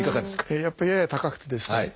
やっぱりやや高くてですね